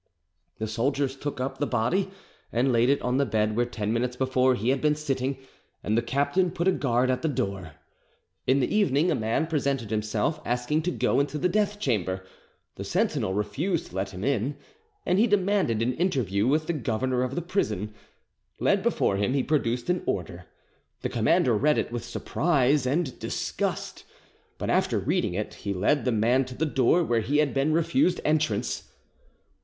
The soldiers took up the body and laid it on the bed where ten minutes before he had been sitting, and the captain put a guard at the door. In the evening a man presented himself, asking to go into the death chamber: the sentinel refused to let him in, and he demanded an interview with the governor of the prison. Led before him, he produced an order. The commander read it with surprise and disgust, but after reading it he led the man to the door where he had been refused entrance.